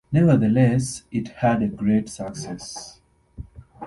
Nevertheless, it had a great success.